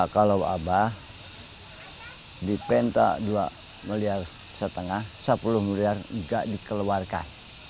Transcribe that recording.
kalau abah dipenta dua lima miliar sepuluh miliar juga dikeluarkan